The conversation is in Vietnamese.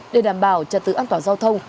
để đảm bảo trật tự an toàn giao thông